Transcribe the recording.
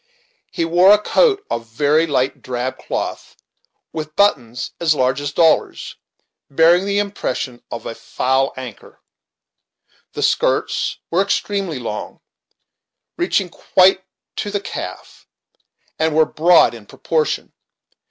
He wore a coat of very light drab cloth, with buttons as large as dollars, bearing the impression of a "foul anchor." The skirts were extremely long, reaching quite to the calf, and were broad in proportion.